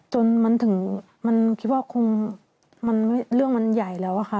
จนมันถึงมันคิดว่าคงเรื่องมันใหญ่แล้วอะค่ะ